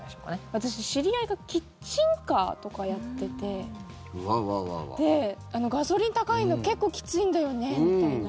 私、知り合いがキッチンカーをやっていてガソリン高いの結構きついんだよねみたいな。